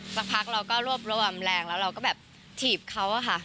สักพักเราก็รวบรวมแรงแล้วเราก็แบบถีบเขาอะค่ะ